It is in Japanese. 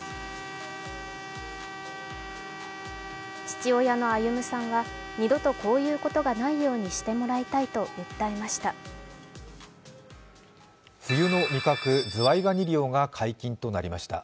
父親の歩さんは二度とこういうことがないようにしてもらいたいと訴えました。